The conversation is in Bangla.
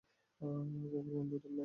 কুকুর গন্ধ ধরল।